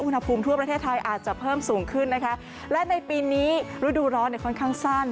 อุณหภูมิทั่วประเทศไทยอาจจะเพิ่มสูงขึ้นนะคะและในปีนี้ฤดูร้อนเนี่ยค่อนข้างสั้น